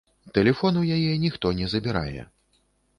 Тэлефон у яе ніхто не забірае.